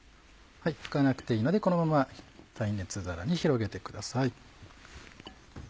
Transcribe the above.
拭かなくていいのでこのまま耐熱皿に広げてください。